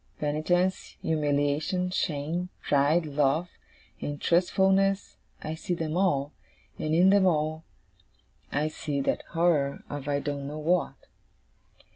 Penitence, humiliation, shame, pride, love, and trustfulness I see them all; and in them all, I see that horror of I don't know what.